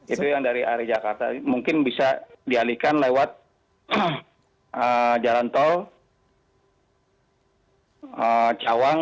itu yang dari arah jakarta mungkin bisa dialihkan lewat jalan tol cawang